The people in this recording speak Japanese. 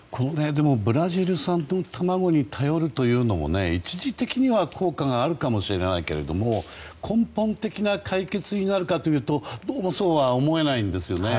ブラジル産の卵に頼るということも一時的には効果があるかもしれないけれども根本的な解決になるかどうかどうもそうは思えないんですね。